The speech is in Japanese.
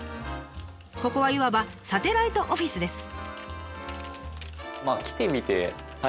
ここはいわばサテライトオフィスです。